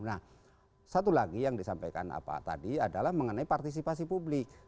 nah satu lagi yang disampaikan tadi adalah mengenai partisipasi publik